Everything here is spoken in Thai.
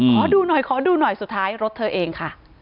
ขอดูหน่อยขอดูหน่อยสุดท้ายรถเธอเองค่ะ